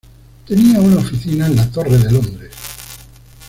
Tenía una oficina en la Torre de Londres.